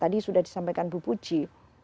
tadi sudah disampaikan bu puji